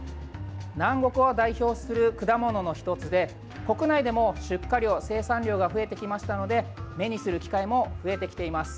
南国を代表する果物の１つで国内でも出荷量、生産量が増えてきましたので目にする機会も増えてきています。